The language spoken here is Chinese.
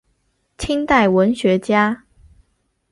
清代文学家。